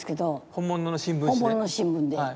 本物の新聞で。